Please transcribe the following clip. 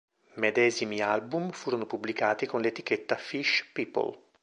Medesimi album furono pubblicati con l'etichetta Fish People.